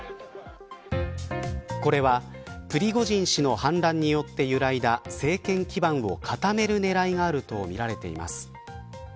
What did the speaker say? これはプリゴジン氏の反乱によって揺らいだ政権基盤を固める狙いがあるとみられています。